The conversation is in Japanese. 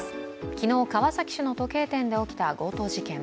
昨日、川崎市の時計店で起きた強盗事件。